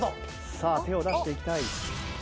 さあ手を出していきたい。